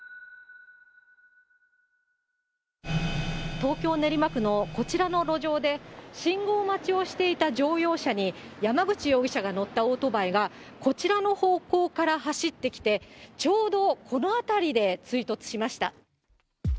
東京・練馬区のこちらの路上で、信号待ちをしていた乗用車に、山口容疑者が乗ったオートバイが、こちらの方向から走ってきて、ちょうどこの辺りで追突しました。